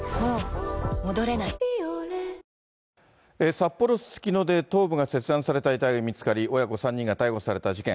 札幌・すすきので頭部が切断された遺体が見つかり、親子３人が逮捕された事件。